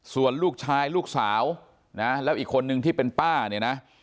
ส่วนลูกชายลูกสาวนะแล้วอีกคนนึงที่เป็นป้าเนี่ยนะ